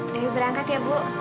dili berangkat ya bu